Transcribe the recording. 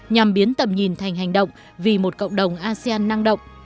nhằm biến tầm nhìn thành hành động vì một cộng đồng asean năng động